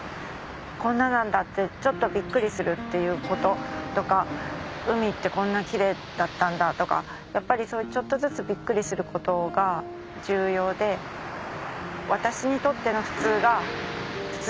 こんななんだってちょっとビックリするっていうこととか海ってこんなキレイだったんだとかやっぱりそういうちょっとずつビックリすることが重要で私にとっての普通が普通じゃない。